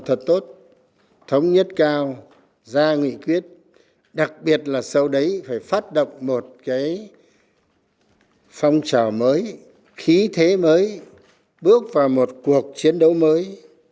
thật tốt thống nhất cao ra nghị quyết đặc biệt là sau đấy phải phát động một cái phong trào mới khí thế mới bước vào một cuộc chiến đấu mới